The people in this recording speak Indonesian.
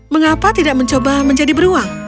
mengapa tidak mencoba menjadi beruang